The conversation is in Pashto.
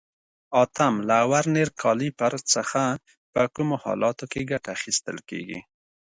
اتم: له ورنیر کالیپر څخه په کومو حالاتو کې ګټه اخیستل کېږي؟